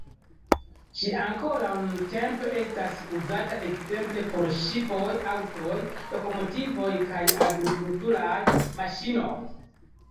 Ĝi ankoraŭ nuntempe estas uzata ekzemple por ŝipoj, aŭtoj, lokomotivoj kaj agrikulturaj maŝinoj.